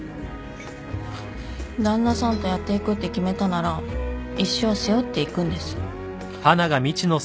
旦那さんとやっていくって決めたなら一生背負っていくんです。